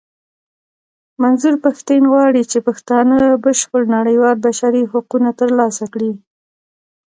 منظور پښتين غواړي چې پښتانه بشپړ نړېوال بشري حقونه ترلاسه کړي.